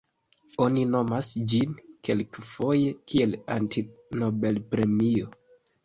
Oni nomas ĝin kelkfoje kiel "Anti-Nobelpremio".